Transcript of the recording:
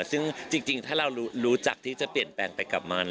ซึ่งจริงถ้าเรารู้จักที่จะเปลี่ยนแปลงไปกลับมา